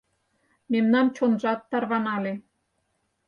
Мемнан чонжат тарванале.